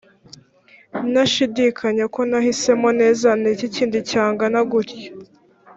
ntashidikanya ko nahisemo neza ni iki kindi cyangana gutyo‽